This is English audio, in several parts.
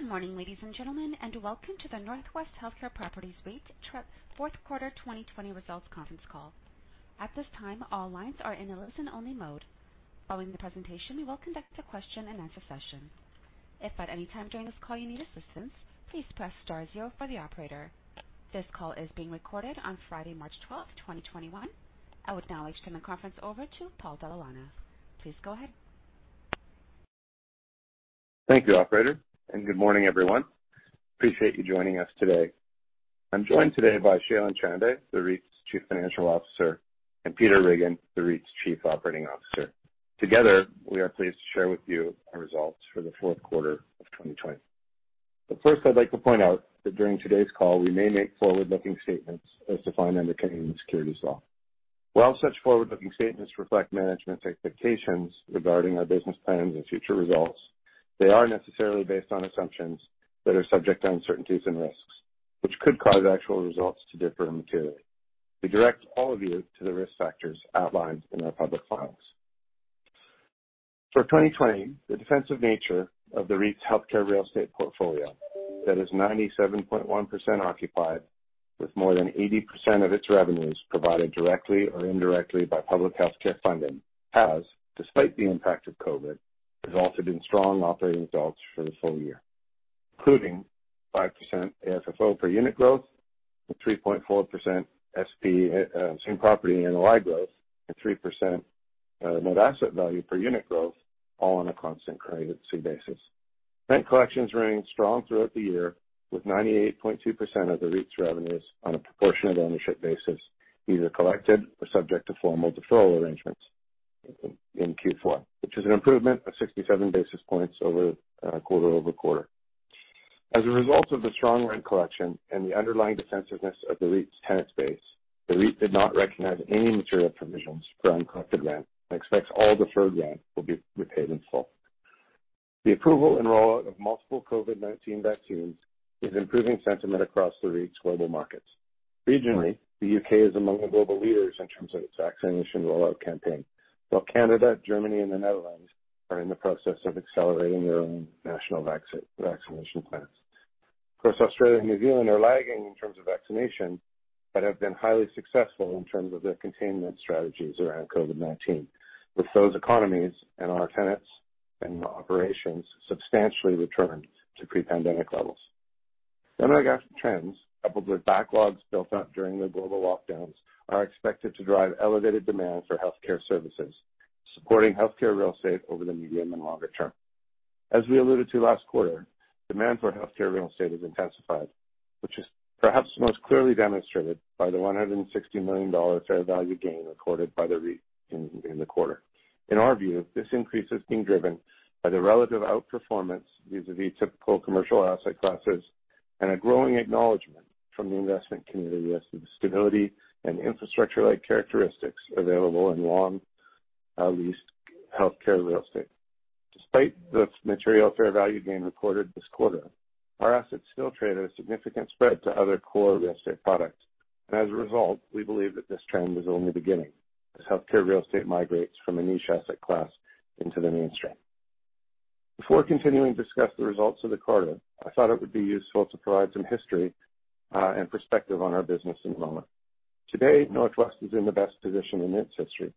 Good morning, ladies and gentlemen, welcome to the NorthWest Healthcare Properties REIT fourth quarter 2020 results conference call. At this time, all lines are in a listen-only mode. Following the presentation, we will conduct a question and answer session. If at any time during this call you need assistance, please press star zero for the operator. This call is being recorded on Friday, March 12th, 2021. I would now like to turn the conference over to Paul Dalla Lana. Please go ahead. Thank you, operator. Good morning, everyone. Appreciate you joining us today. I'm joined today by Shailen Chande, the REIT's Chief Financial Officer, and Peter Riggin, the REIT's Chief Operating Officer. Together, we are pleased to share with you our results for the fourth quarter of 2020. First, I'd like to point out that during today's call, we may make forward-looking statements as defined under Canadian securities law. While such forward-looking statements reflect management's expectations regarding our business plans and future results, they aren't necessarily based on assumptions that are subject to uncertainties and risks, which could cause actual results to differ materially. We direct all of you to the risk factors outlined in our public filings. For 2020, the defensive nature of the REIT's healthcare real estate portfolio that is 97.1% occupied, with more than 80% of its revenues provided directly or indirectly by public healthcare funding, has, despite the impact of COVID, resulted in strong operating results for the full year, including 5% AFFO per unit growth and 3.4% SP, same-property NOI growth, and 3% net asset value per unit growth, all on a constant currency basis. Rent collections remained strong throughout the year, with 98.2% of the REIT's revenues on a proportionate ownership basis, either collected or subject to formal deferral arrangements in Q4, which is an improvement of 67 basis points quarter-over-quarter. As a result of the strong rent collection and the underlying defensiveness of the REIT's tenant space, the REIT did not recognize any material provisions for uncollected rent and expects all deferred rent will be repaid in full. The approval and rollout of multiple COVID-19 vaccines is improving sentiment across the REIT's global markets. Regionally, the U.K. is among the global leaders in terms of its vaccination rollout campaign, while Canada, Germany, and the Netherlands are in the process of accelerating their own national vaccination plans. Of course, Australia and New Zealand are lagging in terms of vaccination but have been highly successful in terms of their containment strategies around COVID-19, with those economies and our tenants and operations substantially returned to pre-pandemic levels. Demographic trends, coupled with backlogs built up during the global lockdowns, are expected to drive elevated demand for healthcare services, supporting healthcare real estate over the medium and longer term. As we alluded to last quarter, demand for healthcare real estate has intensified, which is perhaps most clearly demonstrated by the 160 million dollars fair value gain recorded by the REIT in the quarter. In our view, this increase is being driven by the relative outperformance vis-a-vis typical commercial asset classes and a growing acknowledgment from the investment community as to the stability and infrastructure-like characteristics available in long-leased healthcare real estate. Despite this material fair value gain recorded this quarter, our assets still trade at a significant spread to other core real estate products. As a result, we believe that this trend is only beginning as healthcare real estate migrates from a niche asset class into the mainstream. Before continuing to discuss the results of the quarter, I thought it would be useful to provide some history and perspective on our business and moment. Today, NorthWest is in the best position in its history,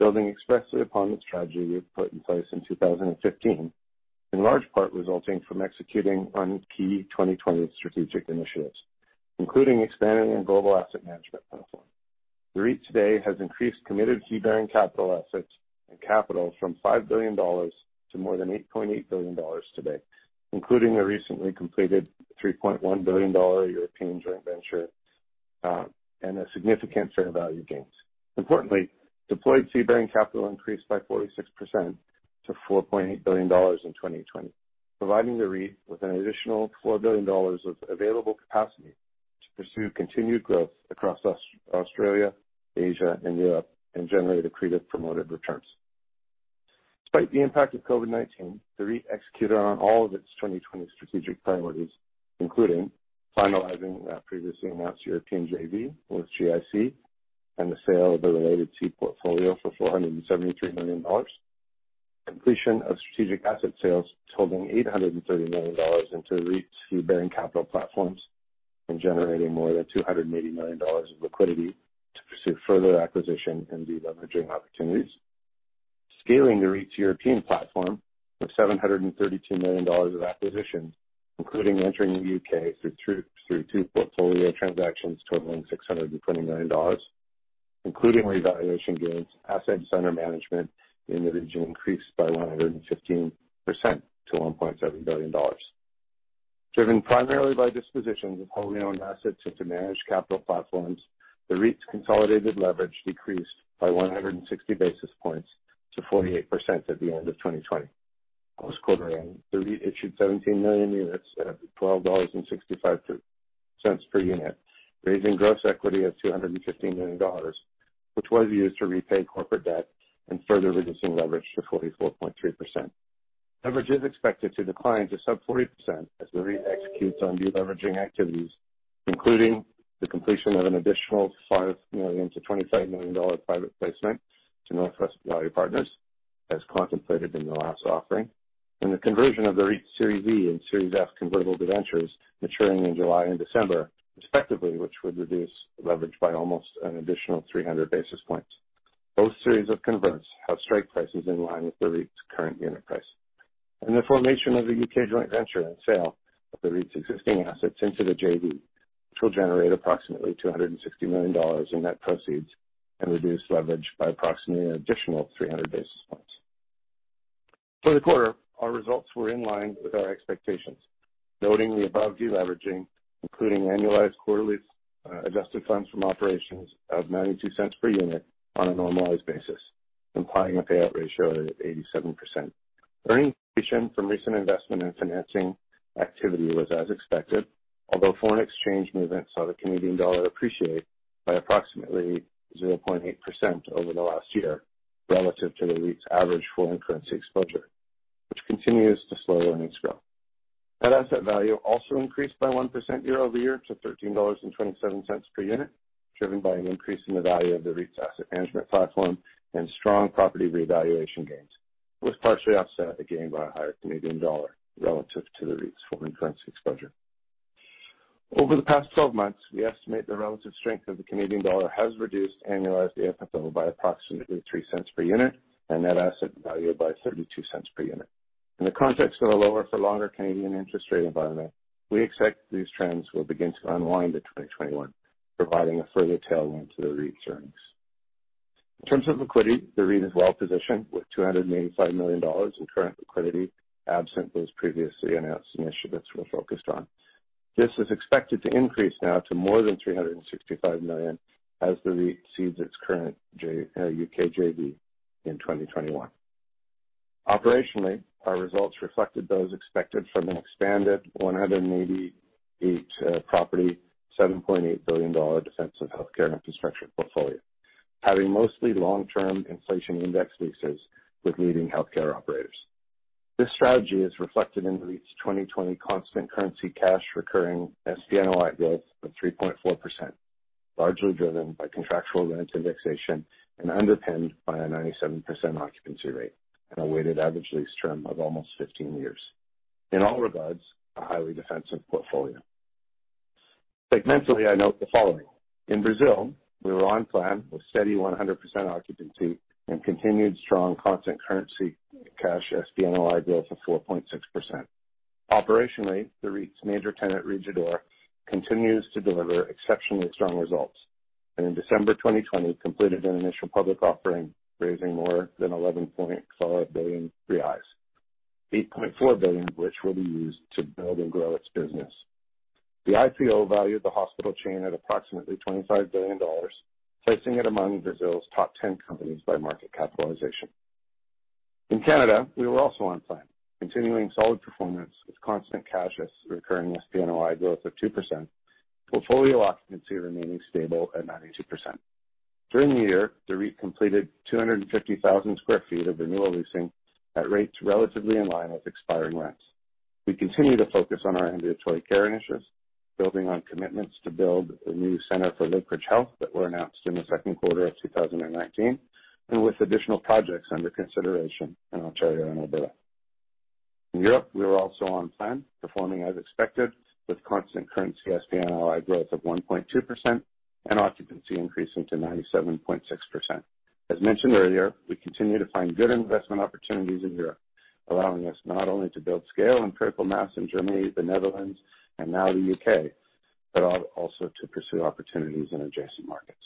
building expressly upon the strategy we had put in place in 2015, in large part resulting from executing on key 2020 strategic initiatives, including expanding our global asset management platform. The REIT today has increased committed fee-bearing capital assets and capital from 5 billion dollars to more than 8.8 billion dollars today, including a recently completed 3.1 billion dollar European joint venture, and a significant fair value gains. Importantly, deployed fee-bearing capital increased by 46% to 4.8 billion dollars in 2020, providing the REIT with an additional 4 billion dollars of available capacity to pursue continued growth across Australia, Asia, and Europe, and generate accretive promoted returns. Despite the impact of COVID-19, the REIT executed on all of its 2020 strategic priorities, including finalizing that previously announced European JV with GIC and the sale of the related REIT portfolio for 473 million dollars, completion of strategic asset sales totaling 830 million dollars into the REIT's fee-bearing capital platforms and generating more than 280 million dollars of liquidity to pursue further acquisition and de-leveraging opportunities. Scaling the REIT's European platform of 732 million dollars of acquisitions, including entering the U.K. through two portfolio transactions totaling 620 million dollars, including revaluation gains, assets under management in the region increased by 115% to 1.7 billion dollars. Driven primarily by dispositions of wholly owned assets into managed capital platforms, the REIT's consolidated leverage decreased by 160 basis points to 48% at the end of 2020. Post-quarter end, the REIT issued 17 million units at 12.65 dollars per unit, raising gross equity of 215 million dollars, which was used to repay corporate debt and further reducing leverage to 44.3%. Leverage is expected to decline to sub 40% as the REIT executes on de-leveraging activities, including the completion of an additional 5 million to 25 million dollar private placement to NorthWest Value Partners, as contemplated in the last offering, and the conversion of the REIT's Series V and Series F convertible debentures maturing in July and December, respectively, which would reduce leverage by almost an additional 300 basis points. Both series of converts have strike prices in line with the REIT's current unit price. The formation of the U.K. joint venture and sale of the REIT's existing assets into the JV, which will generate approximately 260 million dollars in net proceeds and reduce leverage by approximately an additional 300 basis points. For the quarter, our results were in line with our expectations, noting the above deleveraging, including annualized quarterly adjusted funds from operations of 0.92 per unit on a normalized basis, implying a payout ratio of 87%. Earnings from recent investment and financing activity was as expected, although foreign exchange movements saw the Canadian dollar appreciate by approximately 0.8% over the last year relative to the REIT's average foreign currency exposure, which continues to slow earnings growth. Net asset value also increased by 1% year-over-year to 13.27 dollars per unit, driven by an increase in the value of the REIT's asset management platform and strong property revaluation gains, was partially offset, again, by a higher Canadian dollar relative to the REIT's foreign currency exposure. Over the past 12 months, we estimate the relative strength of the Canadian dollar has reduced annualized AFFO by approximately 0.03 per unit, and net asset value by 0.32 per unit. In the context of a lower for longer Canadian interest rate environment, we expect these trends will begin to unwind in 2021, providing a further tailwind to the REIT's earnings. In terms of liquidity, the REIT is well-positioned with 285 million dollars in current liquidity, absent those previously announced initiatives we're focused on. This is expected to increase now to more than 365 million as the REIT cedes its current U.K. JV in 2021. Operationally, our results reflected those expected from an expanded 188 property, 7.8 billion dollar defensive healthcare infrastructure portfolio, having mostly long-term inflation index leases with leading healthcare operators. This strategy is reflected in the REIT's 2020 constant currency cash recurring SPNOI growth of 3.4%, largely driven by contractual rent indexation and underpinned by a 97% occupancy rate and a weighted average lease term of almost 15 years. In all regards, a highly defensive portfolio. Segmentally, I note the following. In Brazil, we were on plan with steady 100% occupancy and continued strong constant currency cash SPNOI growth of 4.6%. Operationally, the REIT's major tenant, Rede D'Or, continues to deliver exceptionally strong results, and in December 2020 completed an initial public offering, raising more than 11.4 billion reais, 8.4 billion of which will be used to build and grow its business. The IPO valued the hospital chain at approximately BRL 25 billion, placing it among Brazil's top 10 companies by market capitalization. In Canada, we were also on plan, continuing solid performance with constant cash recurring SPNOI growth of 2%, portfolio occupancy remaining stable at 92%. During the year, the REIT completed 250,000 sq ft of renewal leasing at rates relatively in line with expiring rents. We continue to focus on our ambulatory care initiatives, building on commitments to build a new center for Lakeridge Health that were announced in the second quarter of 2019, and with additional projects under consideration in Ontario and Alberta. In Europe, we were also on plan, performing as expected with constant currency SPNOI growth of 1.2% and occupancy increasing to 97.6%. As mentioned earlier, we continue to find good investment opportunities in Europe, allowing us not only to build scale and critical mass in Germany, the Netherlands, and now the U.K., but also to pursue opportunities in adjacent markets.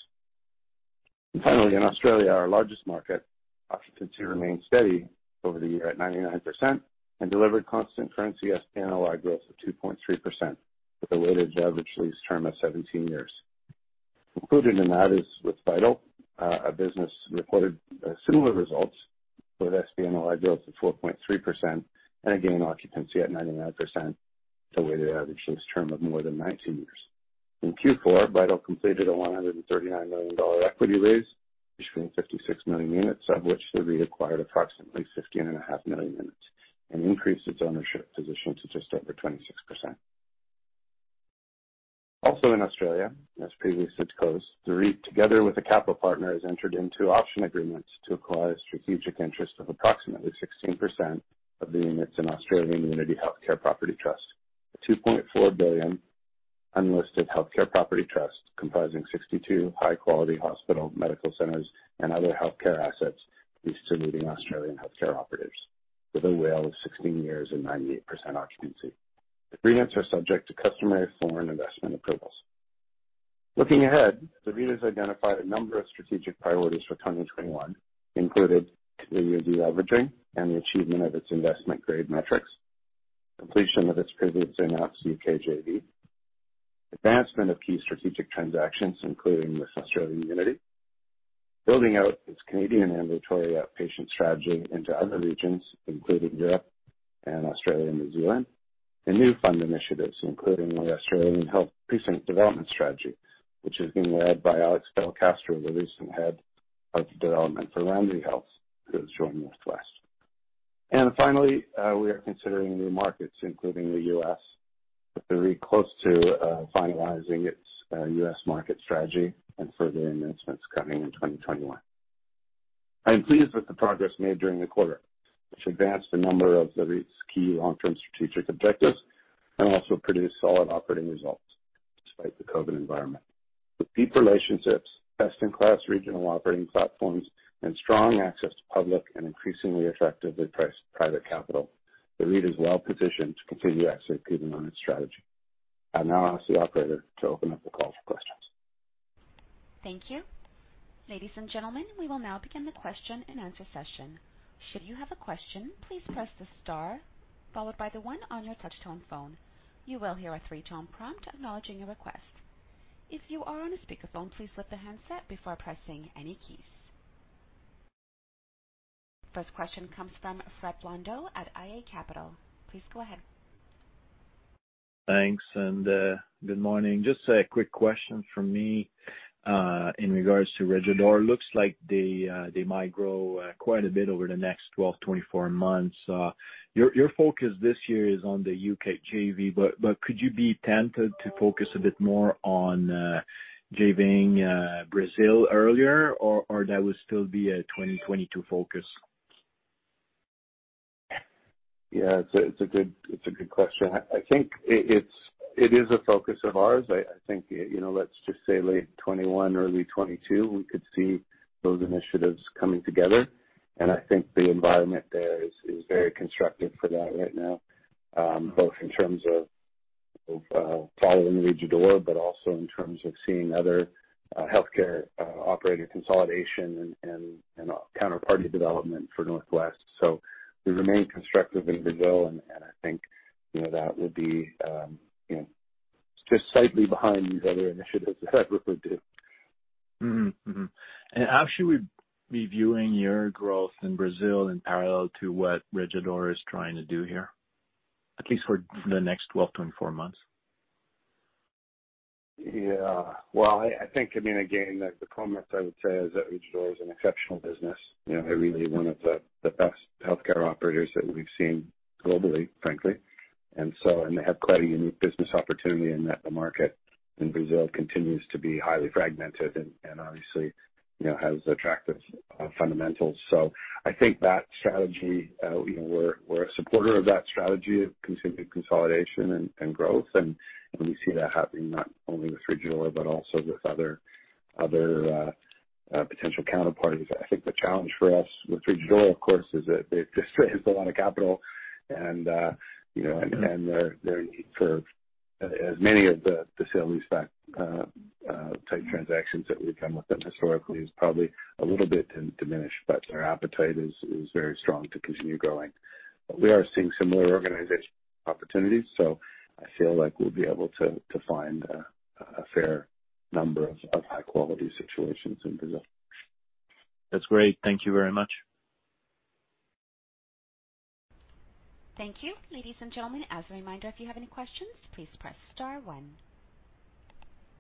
Finally, in Australia, our largest market, occupancy remained steady over the year at 99% and delivered constant currency SPNOI growth of 2.3% with a weighted average lease term of 17 years. Included in that is with Vital, a business recorded similar results with SPNOI growth of 4.3% and again, occupancy at 99%, a weighted average lease term of more than 19 years. In Q4, Vital completed a 139 million dollar equity raise, issuing 56 million units, of which the REIT acquired approximately 15.5 million units and increased its ownership position to just over 26%. In Australia, as previously disclosed, the REIT, together with a capital partner, has entered into option agreements to acquire a strategic interest of approximately 16% of the units in Australian Unity Healthcare Property Trust, a 2.4 billion unlisted healthcare property trust comprising 62 high-quality hospital medical centers and other healthcare assets leased to leading Australian healthcare operators, with a WALE of 16 years and 98% occupancy. The agreements are subject to customary foreign investment approvals. Looking ahead, the REIT has identified a number of strategic priorities for 2021, including the year deleveraging and the achievement of its investment-grade metrics, completion of its previously announced U.K. JV, advancement of key strategic transactions, including with Australian Unity, building out its Canadian ambulatory outpatient strategy into other regions, including Europe and Australia and New Zealand. New fund initiatives, including the Australian Health Precinct Development Strategy, which is being led by Alex Belcastro, the recent head of development for Ramsay Health, who has joined Northwest. Finally, we are considering new markets, including the U.S., with the REIT close to finalizing its U.S. market strategy and further announcements coming in 2021. I am pleased with the progress made during the quarter, which advanced a number of the REIT's key long-term strategic objectives and also produced solid operating results despite the COVID environment. With deep relationships, best-in-class regional operating platforms, and strong access to public and increasingly attractively priced private capital, the REIT is well positioned to continue executing on its strategy. I'll now ask the operator to open up the call for questions. Thank you. Ladies and gentlemen, we will now begin the question and answer session. Should you have a question, please press the star followed by the one on your touch-tone phone. You will hear a three-tone prompt acknowledging your request. If you are on a speakerphone, please lift the handset before pressing any keys. First question comes from Fred Blondeau at iA Capital Markets. Please go ahead. Thanks, good morning. Just a quick question from me in regards to Rede D'Or. Looks like they might grow quite a bit over the next 12, 24 months. Your focus this year is on the U.K. JV, but could you be tempted to focus a bit more on JV-ing Brazil earlier, or that would still be a 2022 focus? Yeah, it's a good question. I think it is a focus of ours. I think let's just say late 2021, early 2022, we could see those initiatives coming together, and I think the environment there is very constructive for that right now, both in terms of following Rede D'Or, but also in terms of seeing other healthcare operator consolidation and counterparty development for Northwest. We remain constructive in Brazil, and I think that would be just slightly behind these other initiatives that I've referred to. How should we be viewing your growth in Brazil in parallel to what Rede D'Or is trying to do here, at least for the next 12, 24 months? Well, I think, again, the comment I would say is that Rede D'Or is an exceptional business, really one of the best healthcare operators that we've seen globally, frankly. They have quite a unique business opportunity in that the market in Brazil continues to be highly fragmented and obviously has attractive fundamentals. I think we're a supporter of that strategy of continued consolidation and growth, and we see that happening not only with Rede D'Or, but also with other potential counterparties. I think the challenge for us with Rede D'Or, of course, is that they just raised a lot of capital and their need for as many of the sale leaseback type transactions that we've done with them historically is probably a little bit diminished, but their appetite is very strong to continue growing. We are seeing similar organization opportunities, so I feel like we'll be able to find a fair number of high-quality situations in Brazil. That's great. Thank you very much. Thank you. Ladies and gentlemen, as a reminder, if you have any questions, please press star one.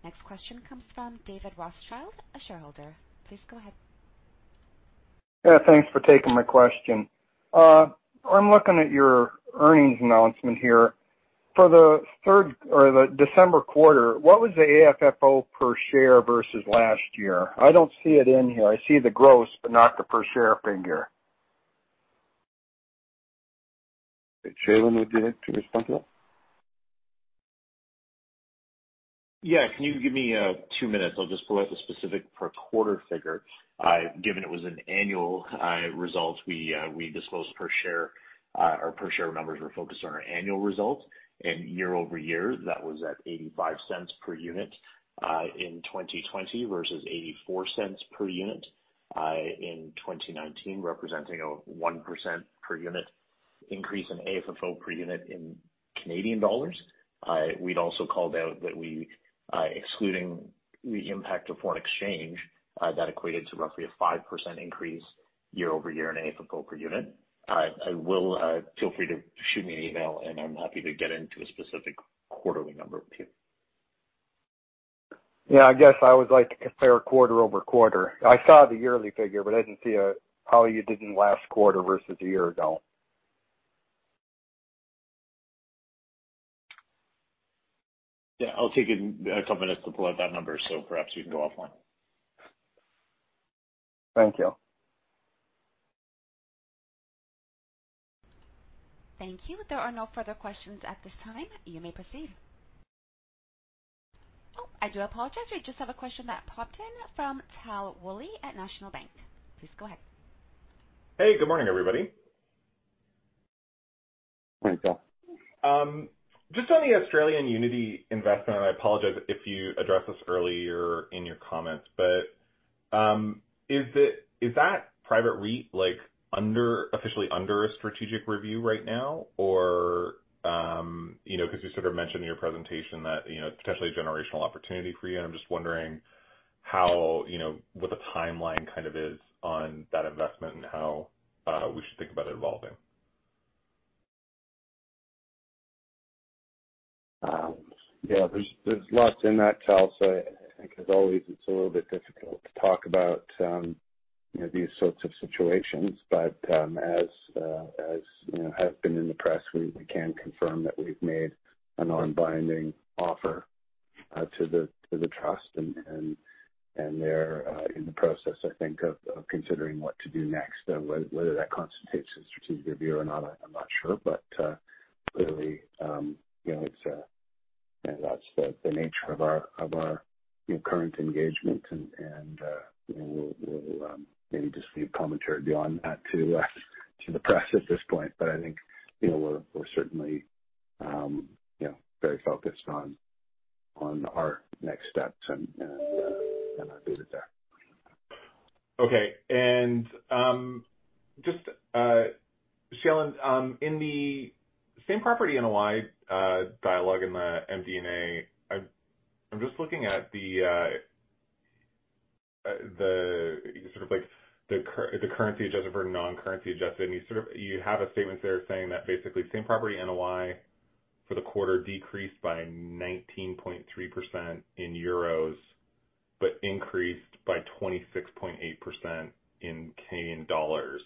Next question comes from David Rothschild, a shareholder. Please go ahead. Yeah, thanks for taking my question. I'm looking at your earnings announcement here. For the December quarter, what was the AFFO per share versus last year? I don't see it in here. I see the gross, not the per share figure. Shailen, would you like to respond to that? Can you give me two minutes? I'll just pull out the specific per quarter figure. Given it was an annual result, our per share numbers were focused on our annual results, and year-over-year, that was at 0.85 per unit in 2020 versus 0.84 per unit in 2019, representing a 1% per unit increase in AFFO per unit in Canadian dollars. We'd also called out that excluding the impact of foreign exchange, that equated to roughly a 5% increase year-over-year in AFFO per unit. Feel free to shoot me an email, and I'm happy to get into a specific quarterly number with you. Yeah, I guess I always like to compare quarter-over-quarter. I saw the yearly figure, but I didn't see how you did in last quarter versus a year ago. Yeah, I'll take a couple minutes to pull out that number, so perhaps we can go offline. Thank you. Thank you. There are no further questions at this time. You may proceed. Oh, I do apologize, I just have a question that popped in from Tal Woolley at National Bank. Please go ahead. Hey, good morning, everybody. Morning, Tal. Just on the Australian Unity investment, and I apologize if you addressed this earlier in your comments, but is that private REIT officially under a strategic review right now? Or because you sort of mentioned in your presentation that it's potentially a generational opportunity for you, and I'm just wondering what the timeline is on that investment and how we should think about it evolving. Yeah, there's lots in that, Tal. I think as always, it's a little bit difficult to talk about these sorts of situations. As has been in the press, we can confirm that we've made a non-binding offer to the trust, and they're in the process, I think, of considering what to do next. Whether that constitutes a strategic review or not, I'm not sure, but clearly, that's the nature of our current engagement. We'll maybe just leave commentary beyond that to the press at this point. I think we're certainly very focused on our next steps and our data there. Just, Shailen, in the same property NOI dialogue in the MD&A, I am just looking at the currency adjusted versus non-currency adjusted, and you have a statement there saying that basically same property NOI for the quarter decreased by 19.3% in euros, but increased by 26.8% in Canadian dollars.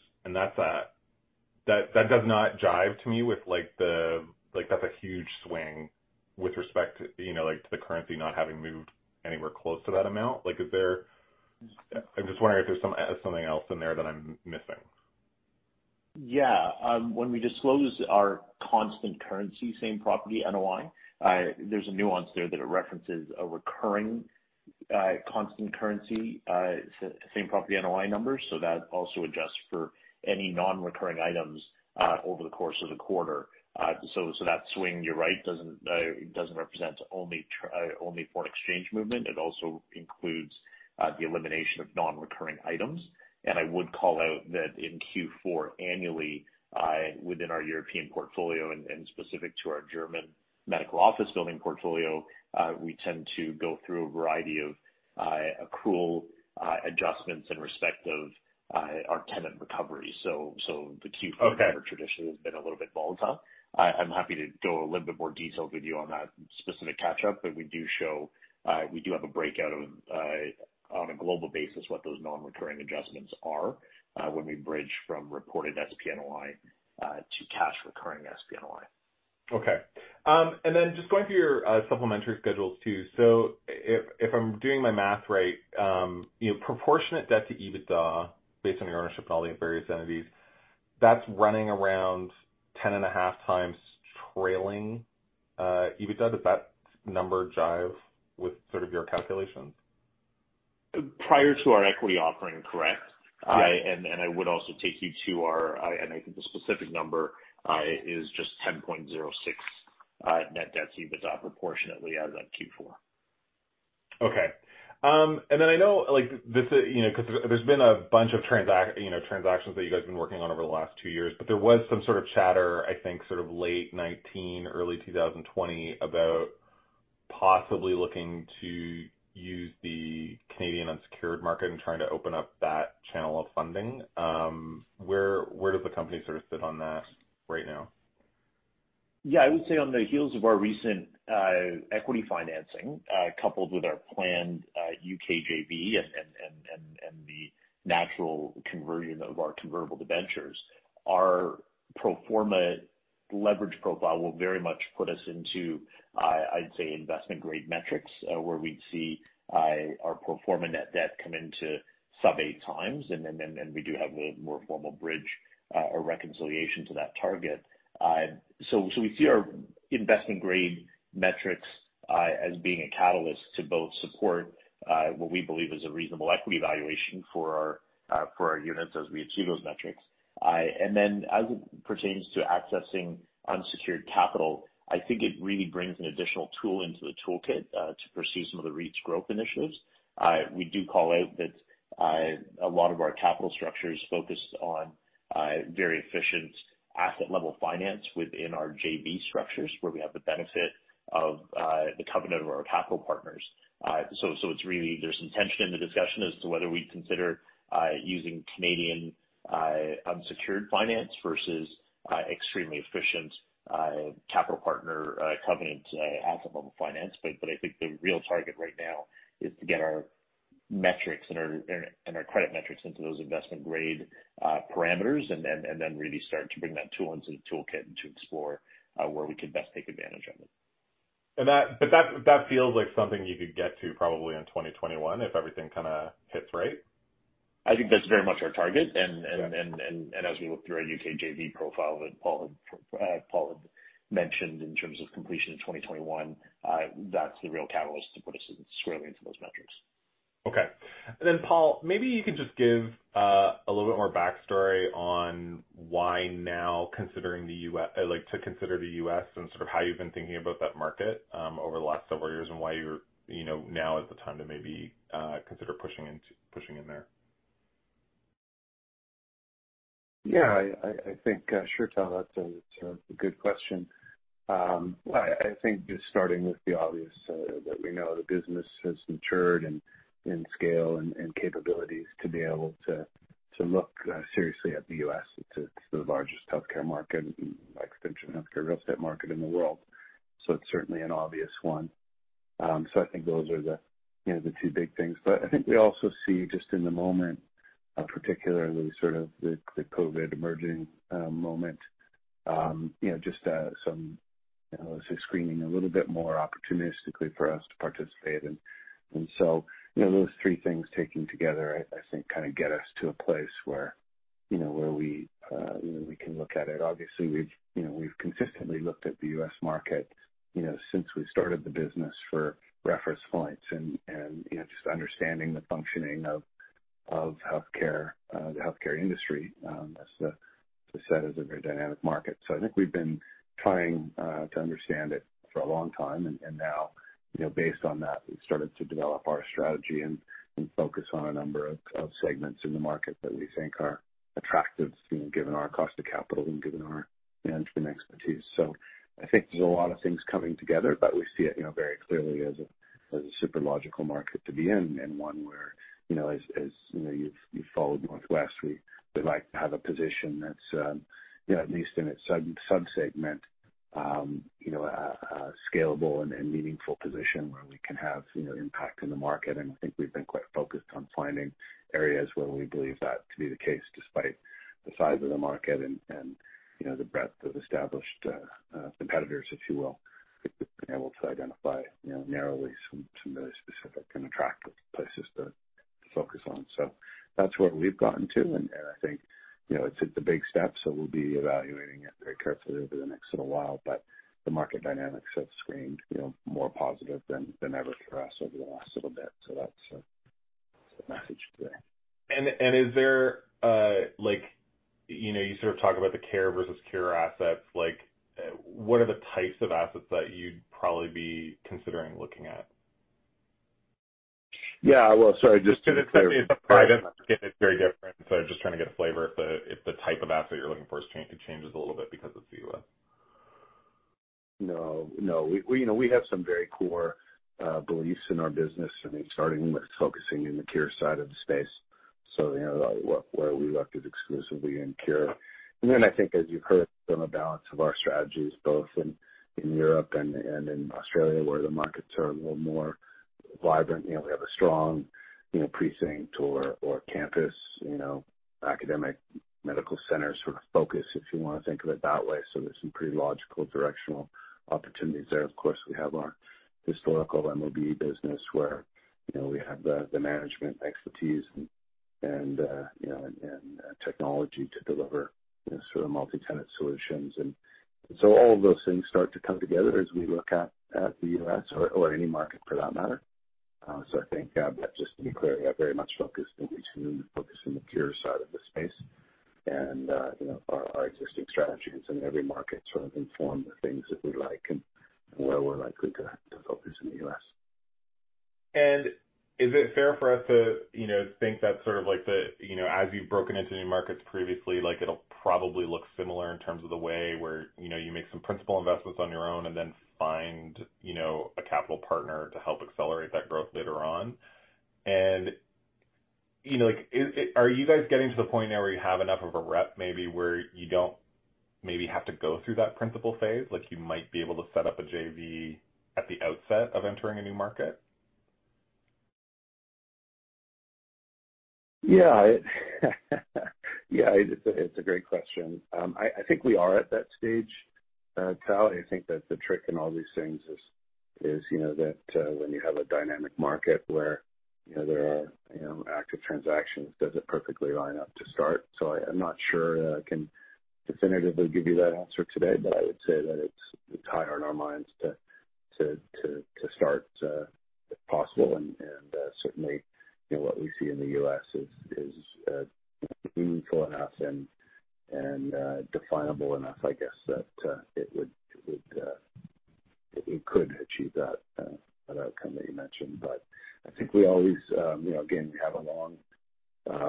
That does not jive to me. That is a huge swing with respect to the currency not having moved anywhere close to that amount. I am just wondering if there is something else in there that I am missing. Yeah. When we disclose our constant currency same property NOI, there's a nuance there that it references a recurring, constant currency, same property NOI numbers. That also adjusts for any non-recurring items over the course of the quarter. That swing, you're right, doesn't represent only foreign exchange movement. It also includes the elimination of non-recurring items. I would call out that in Q4 annually, within our European portfolio and specific to our German medical office building portfolio, we tend to go through a variety of accrual adjustments in respect of our tenant recovery. The Q4- Okay Number traditionally has been a little bit volatile. I'm happy to go a little bit more detail with you on that specific catch-up. We do have a breakout on a global basis, what those non-recurring adjustments are, when we bridge from reported SPNOI to cash recurring SPNOI. Okay. Just going through your supplementary schedules, too. If I'm doing my math right, proportionate debt to EBITDA based on your ownership in all the various entities, that's running around 10.5x trailing EBITDA. Does that number jive with sort of your calculations? Prior to our equity offering, correct. Yeah. I think the specific number is just 10.06 net debt to EBITDA proportionately as at Q4. Okay. I know, because there's been a bunch of transactions that you guys have been working on over the last two years, there was some sort of chatter, I think sort of late 2019, early 2020, about possibly looking to use the Canadian unsecured market and trying to open up that channel of funding. Where does the company sort of sit on that right now? I would say on the heels of our recent equity financing, coupled with our planned U.K. JV and the natural conversion of our convertible debentures, our pro forma leverage profile will very much put us into, I'd say, investment grade metrics, where we'd see our pro forma net debt come into sub 8x. We do have a more formal bridge or reconciliation to that target. We see our investment grade metrics as being a catalyst to both support what we believe is a reasonable equity valuation for our units as we achieve those metrics. As it pertains to accessing unsecured capital, I think it really brings an additional tool into the toolkit to pursue some of the REIT's growth initiatives. We do call out that a lot of our capital structure is focused on very efficient asset level finance within our JV structures, where we have the benefit of the covenant of our capital partners. There's some tension in the discussion as to whether we'd consider using Canadian unsecured finance versus extremely efficient capital partner covenant asset level finance. I think the real target right now is to get our metrics and our credit metrics into those investment grade parameters and then really start to bring that tool into the toolkit and to explore where we could best take advantage of it. That feels like something you could get to probably in 2021 if everything kind of hits right? I think that's very much our target. Okay. As we look through our U.K. JV profile that Paul had mentioned in terms of completion in 2021, that's the real catalyst to put us squarely into those metrics. Okay. Paul, maybe you could just give a little bit more backstory on why now to consider the U.S. and sort of how you've been thinking about that market over the last several years and why now is the time to maybe consider pushing in there? Yeah, I think, sure, Tal, that's a good question. I think just starting with the obvious that we know the business has matured in scale and capabilities to be able to look seriously at the U.S. It's the largest healthcare market and by extension, healthcare real estate market in the world. It's certainly an obvious one. I think those are the two big things. I think we also see just in the moment, particularly sort of the COVID emerging moment, just some screening, a little bit more opportunistically for us to participate in. Those three things taken together, I think kind of get us to a place where we can look at it. Obviously, we've consistently looked at the U.S. market since we started the business for reference points and just understanding the functioning of the healthcare industry. As I said, it's a very dynamic market. I think we've been trying to understand it for a long time, and now based on that, we've started to develop our strategy and focus on a number of segments in the market that we think are attractive given our cost of capital and given our management expertise. I think there's a lot of things coming together, but we see it very clearly as a super logical market to be in, and one where, as you've followed NorthWest, we like to have a position that's, at least in its sub-segment, a scalable and meaningful position where we can have impact in the market. I think we've been quite focused on finding areas where we believe that to be the case, despite the size of the market and the breadth of established competitors, if you will. I think we've been able to identify narrowly some very specific and attractive places to focus on. That's where we've gotten to, and I think it's a big step, so we'll be evaluating it very carefully over the next little while. The market dynamics have screened more positive than ever for us over the last little bit. That's the message today. You sort of talk about the care versus cure assets. What are the types of assets that you'd probably be considering looking at? Yeah. Well, sorry, just to be clear- Because it's private, I forget it's very different, so just trying to get a flavor if the type of asset you're looking for changes a little bit because it's the U.S. No. We have some very core beliefs in our business, I think starting with focusing in the cure side of the space. Where we've acted exclusively in cure. I think as you've heard from a balance of our strategies, both in Europe and in Australia, where the markets are a little more vibrant, we have a strong precinct or campus academic medical center sort of focus, if you want to think of it that way. Of course, we have our historical MOB business where we have the management expertise and technology to deliver sort of multi-tenant solutions. All of those things start to come together as we look at the U.S. or any market for that matter. I think, just to be clear, we are very much focused in between, focused on the cure side of the space and our existing strategies in every market sort of inform the things that we like and where we're likely to have developers in the U.S. Is it fair for us to think that sort of as you've broken into new markets previously, it'll probably look similar in terms of the way where you make some principal investments on your own and then find a capital partner to help accelerate that growth later on? Are you guys getting to the point now where you have enough of a rep maybe where you don't maybe have to go through that principal phase? You might be able to set up a JV at the outset of entering a new market? Yeah. It's a great question. I think we are at that stage, Tal. I think that the trick in all these things is that when you have a dynamic market where there are active transactions, does it perfectly line up to start? I'm not sure that I can definitively give you that answer today, but I would say that it's high on our minds to start if possible. Certainly, what we see in the U.S. is meaningful enough and definable enough, I guess, that it could achieve that outcome that you mentioned. I think we always, again, have a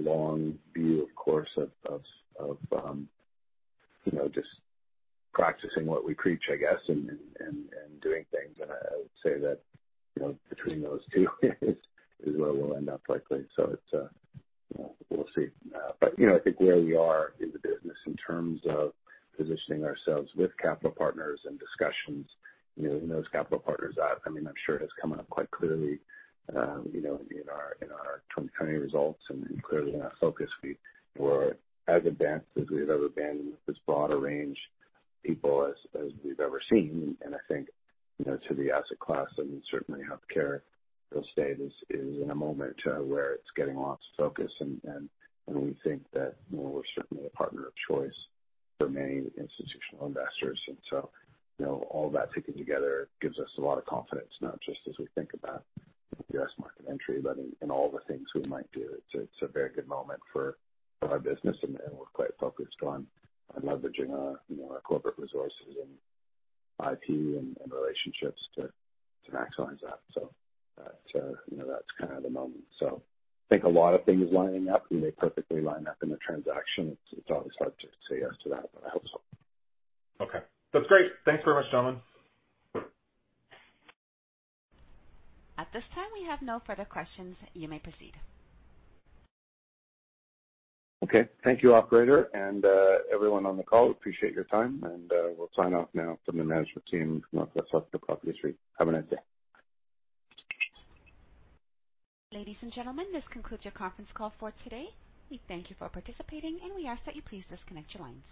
long view, of course, of just practicing what we preach, I guess, and doing things. I would say that between those two is where we'll end up likely. We'll see. I think where we are in the business in terms of positioning ourselves with capital partners and discussions, and those capital partners have I'm sure it has come up quite clearly in our 2020 results and clearly in our focus. We were as advanced as we've ever been with this broader range of people as we've ever seen. I think to the asset class and certainly healthcare real estate is in a moment where it's getting lots of focus, and we think that we're certainly the partner of choice for many institutional investors. All that taken together gives us a lot of confidence, not just as we think about U.S. market entry, but in all the things we might do. It's a very good moment for our business, and we're quite focused on leveraging our corporate resources in IP and relationships to maximize that. That's kind of the moment. I think a lot of things lining up, and they perfectly line up in a transaction. It's always hard to say yes to that, but I hope so. Okay. That's great. Thanks very much, gentlemen. At this time, we have no further questions. You may proceed. Okay. Thank you, operator and everyone on the call. Appreciate your time, and we'll sign off now from the management team from Northwest Healthcare Properties REIT. Have a nice day. Ladies and gentlemen, this concludes your conference call for today. We thank you for participating, and we ask that you please disconnect your lines.